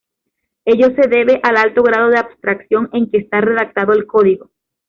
Ello se debe al alto grado de abstracción en que está redactado el Código.